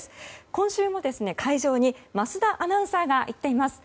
今週も会場に桝田アナウンサーが行っています。